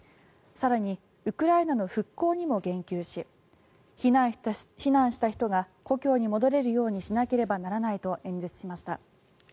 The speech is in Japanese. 更に、ウクライナの復興にも言及し避難した人が故郷に戻れるようにしなければならないと演説しました。